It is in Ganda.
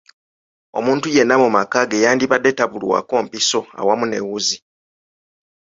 Omuntu yenna mu maka ge yandibadde nga tabulwako mpiso awamu ne wuzi.